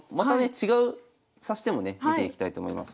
違う指し手もね見ていきたいと思います。